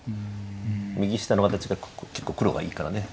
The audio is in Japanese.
右下の形が結構黒がいいから。